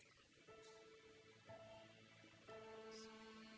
salam allahi al mahdi